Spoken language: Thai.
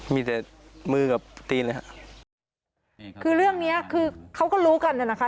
มีแต่มือกับตีนเลยฮะคือเรื่องเนี้ยคือเขาก็รู้กันน่ะนะคะ